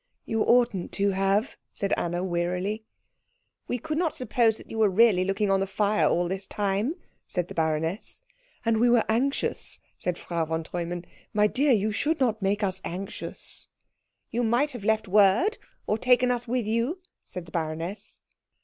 "You oughtn't to have," said Anna wearily. "We could not suppose that you were really looking at the fire all this time," said the baroness. "And we were anxious," said Frau von Treumann. "My dear, you should not make us anxious." "You might have left word, or taken us with you," said the baroness.